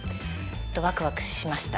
ワクワクしました。